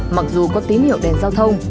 mặc dù có tín hiệu đèn giao thông